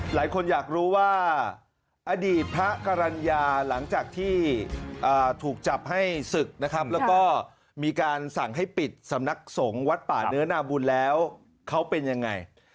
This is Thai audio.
หลายคนอยากรู้ว่าอดีตพระกรรณญาหลังจากที่ถูกจับให้ศึกนะครับแล้วก็มีการสั่งให้ปิดสำนักสงฆ์วัดป่าเนื้อนาบุญแล้วเขาเป็นยังไง